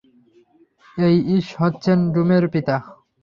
এই ঈস হচ্ছেন রূমের পিতা।